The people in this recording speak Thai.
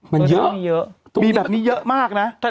มันเยอะมีแบบนี้เยอะมากนะ